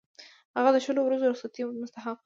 هغه د شلو ورځو رخصتۍ مستحق دی.